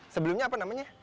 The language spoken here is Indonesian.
sebelumnya apa namanya